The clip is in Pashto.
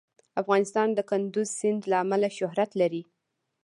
افغانستان د کندز سیند له امله شهرت لري.